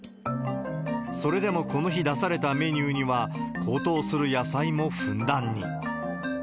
それでもこの日出されたメニューには、高騰する野菜もふんだんに。